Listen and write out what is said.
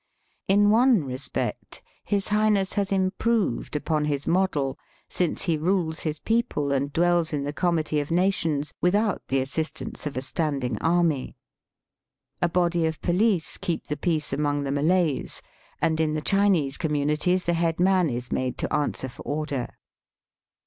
In one respect his Highness has improved upon his model, since he rules his people and dwells in the comity of nations without the assistance of a standing army. A body of police keep the peace among the Malays, and in the Chinese communities the head man is made to answer for order.